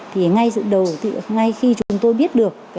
thì ngay dự đầu ngay khi chúng tôi biết được